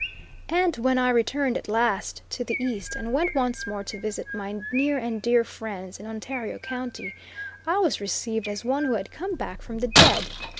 And when I returned, at last, to the East, and went once more to visit my near and dear friends in Ontario County, I was received as one who had come back from the dead.